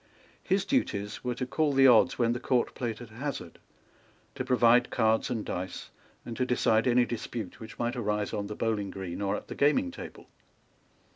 His duties were to call the odds when the Court played at hazard, to provide cards and dice, and to decide any dispute which might arise on the bowling green or at the gaming table.